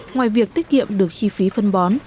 ngoài việc tiết kiệm được chi phí phân bón